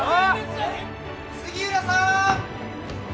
杉浦さん！